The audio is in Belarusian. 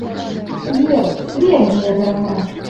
Веру, веру, мая дарагая!